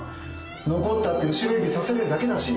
残ったって後ろ指さされるだけだし。